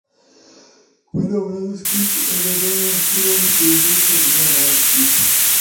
Fue nombrado Skiff en honor al astrónomo estadounidense Brian A. Skiff.